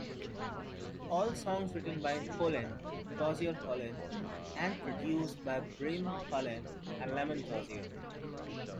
All songs written by Holland-Dozier-Holland and produced by Brian Holland and Lamont Dozier.